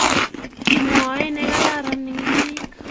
Kimwae negararan eng biik